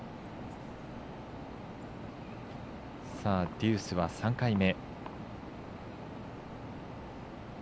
デュースは３回目。